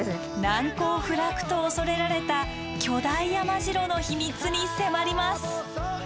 難攻不落と恐れられた巨大山城の秘密に迫ります。